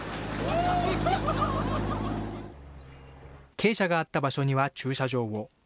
鶏舎があった場所には駐車場を。